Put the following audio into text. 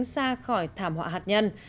giúp thế giới tránh xa khỏi thảm họa hạt nhân